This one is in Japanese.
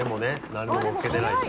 何ものっけてないし。